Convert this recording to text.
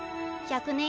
１００年